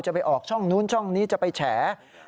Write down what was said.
ไปออกช่องนู้นช่องนี้จะไปแฉ